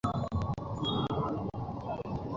আমার সাথে আয়।